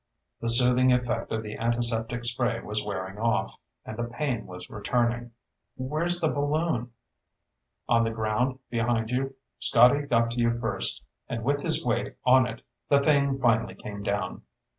The soothing effect of the antiseptic spray was wearing off and the pain was returning. "Where's the balloon?" "On the ground behind you. Scotty got to you first, and with his weight on it, the thing finally came down."